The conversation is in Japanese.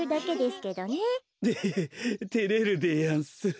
でへへてれるでやんす。